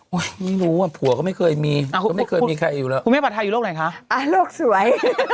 ไม่รู้อ่ะผัวก็ไม่เคยมีก็ไม่เคยมีใครอยู่แล้วคุณแม่ผัดไทยอยู่โรคไหนคะโรคสวย